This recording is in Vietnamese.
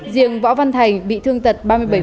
riêng võ văn thành bị thương tật ba mươi bảy